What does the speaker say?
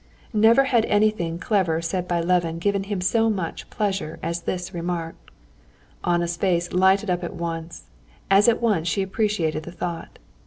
Never had anything clever said by Levin given him so much pleasure as this remark. Anna's face lighted up at once, as at once she appreciated the thought.